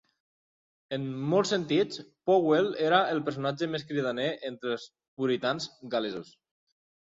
En molts sentits, Powell era el personatge més cridaner entre els puritans gal·lesos.